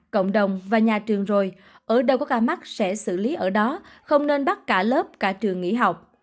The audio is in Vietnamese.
cộng đồng và nhà trường rồi ở đâu có ca mắc sẽ xử lý ở đó không nên bắt cả lớp cả trường nghỉ học